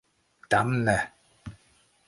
Damne.